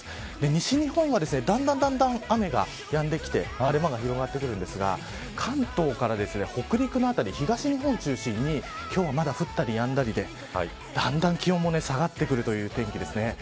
西日本はだんだん雨がやんできて晴れ間が広がってくるんですが関東から北陸の辺り東日本を中心に今日はまだ降ったりやんだりでだんだん気温も下がってくるという天気ですね。